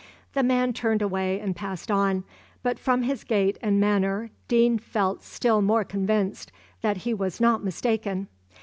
The man turned away and passed on; but from his gait and manner, Deane felt still more convinced that he was not mistaken.